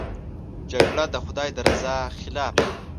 جګړه د خدای د رضا خلاف ده